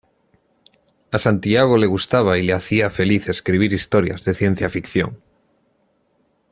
A Santiago le gustaba y le hacía feliz escribir historias de ciencia ficción.